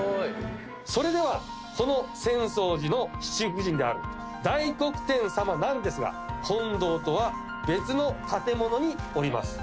それではこの浅草寺の七福神である大黒天様なんですが本堂とは別の建物におります。